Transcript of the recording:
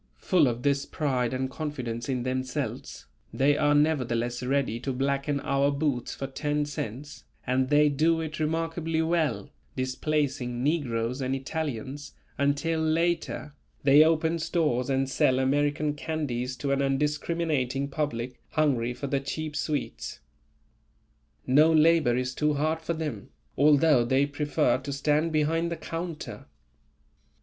Full of this pride and confidence in themselves, they are nevertheless ready to blacken our boots for ten cents, and they do it remarkably well, displacing negroes and Italians, until later, they open stores and sell American candies to an undiscriminating public, hungry for the cheap sweets. No labour is too hard for them, although they prefer to stand behind the counter.